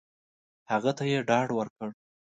هغه ته یې ډاډ ورکړ !